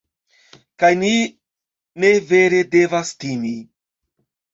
kaj ni ne vere devas timi